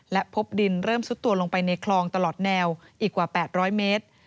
และพบดินเริ่มซุดตัวลงไปในคลองตลอดแนวอีกกว่า๘๐๐เมตร